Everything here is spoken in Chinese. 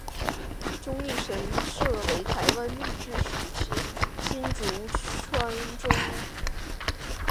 中坜神社为台湾日治时期新竹州中坜郡中坜街的神社。